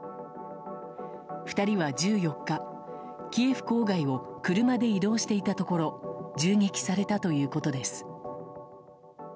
２人は１４日、キエフ郊外を車で移動していたところ銃撃されたということです。